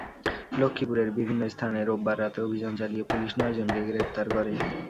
লক্ষ্মীপুরের বিভিন্ন স্থানে রোববার রাতে অভিযান চালিয়ে পুলিশ নয়জনকে গ্রেপ্তার করে।